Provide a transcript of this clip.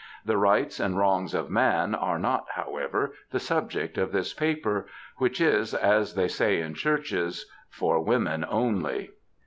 The Rights and Wrongs of Man are not, however, the subject of this paper, which is, as they say in churches, ^* For Women Only.'"